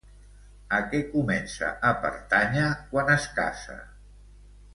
A què comença a pertànyer quan es casa?